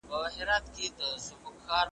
بورا به څنګه د اغزیو له آزاره څارې `